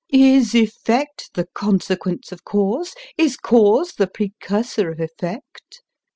Is effect the consequence of cause ? Is cause the precursor of effect